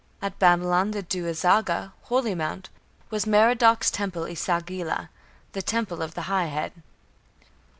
At Babylon, the Du azaga, "holy mound", was Merodach's temple E sagila, "the Temple of the High Head".